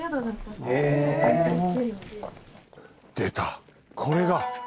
でたこれが。